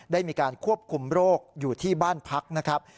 ได้มีการควบคุมโรคอยู่ที่บ้านพักนะครับ